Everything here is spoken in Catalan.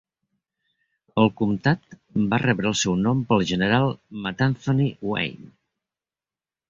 El comtat va rebre el seu nom pel General "Mad Anthony" Wayne.